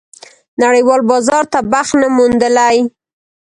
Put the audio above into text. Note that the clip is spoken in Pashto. نړېوال بازار ته بخت نه موندلی.